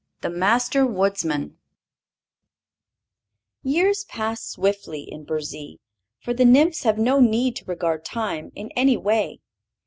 5. The Master Woodsman Years pass swiftly in Burzee, for the nymphs have no need to regard time in any way.